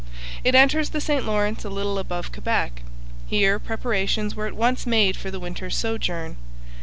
It enters the St Lawrence a little above Quebec. Here preparations were at once made for the winter's sojourn.